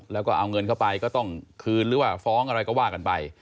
แล้วก็เอาเงินเข้าไปก็ต้องคืนหรือว่าฟ้องอะไรก็ว่ากันไป